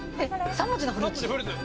３文字のフルーツ。